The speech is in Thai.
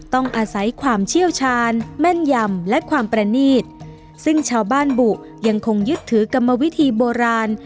ต้องอาศัยความเชี่ยวชาญแม่นยำและความประนีตซึ่งชาวบ้านบุยังคงยึดถือกรรมวิธีโบราณ